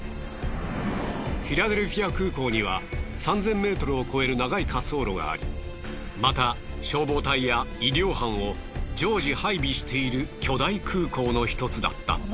フィラデルフィア空港には３，０００ｍを超える長い滑走路がありまた消防隊や医療班を常時配備している巨大空港の１つだった。